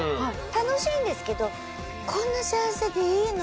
楽しいんですけど「こんな幸せでいいの？」